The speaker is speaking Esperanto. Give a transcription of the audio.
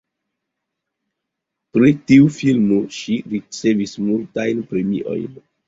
Pri tiu filmo ŝi ricevis multajn premiojn.